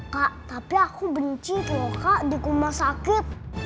kak tapi aku benci tuh kak di rumah sakit